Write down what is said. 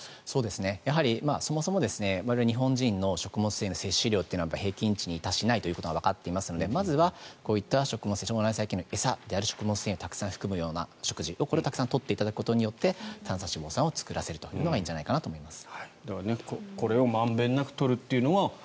やはりそもそも我々日本人の食物繊維の摂取量というのは平均値に達しないというのがわかっていますのでまずはこういった食物繊維腸内細菌の餌であるような食物繊維をたくさん含んでいるものを取って短鎖脂肪酸を作らせるというのがいいんじゃないかと思います。